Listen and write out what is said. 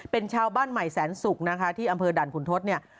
เป็นชาวบ้านใหม่แสนศุกร์นะคะที่อำเภอด่านขุนทศเนี่ย